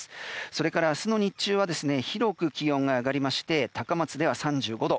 それから、明日の日中は広く気温が上がりまして高松では３５度。